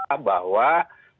konsistensi dalam program ini